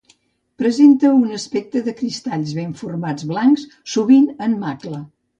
Presenta un aspecte de cristalls ben formats blancs, sovint en macla.